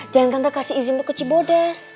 jangan tante kasih izin untuk ke cibodas